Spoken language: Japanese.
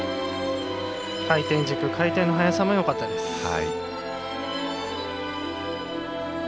回転軸、回転の速さもよかったです。